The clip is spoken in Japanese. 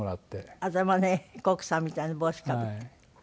頭ねコックさんみたいな帽子かぶって。